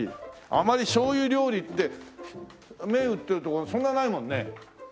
あまり醤油料理って銘打ってるとこそんなないもんね。